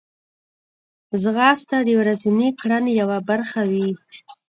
ځغاسته د ورځنۍ کړنې یوه برخه وي